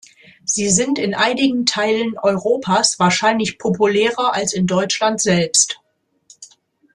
Sie sind in einigen Teilen Europas wahrscheinlich populärer als in Deutschland selbst.